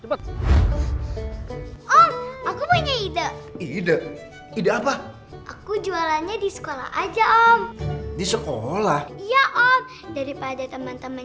cepet aku punya ide ide apa aku jualannya di sekolah aja om di sekolah iya oh daripada teman teman